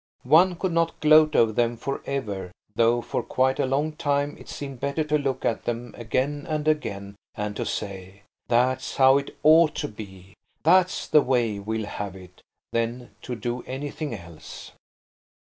One could not gloat over them for ever, though for quite a long time it seemed better to look at them again and again, and to say, "That's how it ought to be–that's the way we'll have it," than to do anything else.